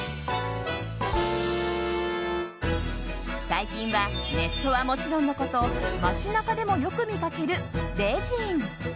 最近はネットはもちろんのこと街中でもよく見かけるレジン。